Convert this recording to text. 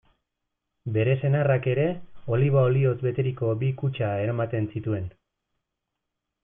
Bere senarrak ere, oliba olioz beteriko bi kutxa eramaten zituen.